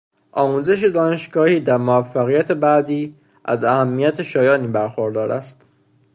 آموزش دانشگاهی در موفقیت بعدی از اهمیت شایانی برخوردار است.